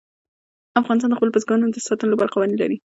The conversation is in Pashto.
افغانستان د خپلو بزګانو د ساتنې لپاره قوانین لري.